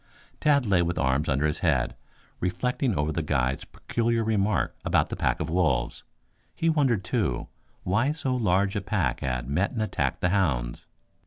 Tad lay with arms under his head, reflecting over the guide's peculiar remark about the pack of wolves. He wondered, too, why so large a pack had met and attacked the hounds.